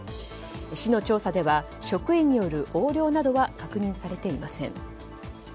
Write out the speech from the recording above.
市の調査では職員による横領などは確認されていません。